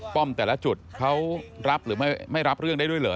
ป้อมแต่ละจุดเขารับหรือไม่รับเรื่องได้ด้วยเหรอ